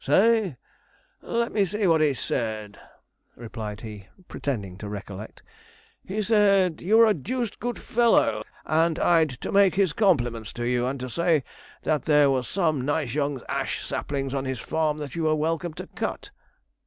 'Say let me see what he said,' replied he, pretending to recollect.' He said "you are a deuced good feller," and I'd to make his compliments to you, and to say that there were some nice young ash saplings on his farm that you were welcome to cut.'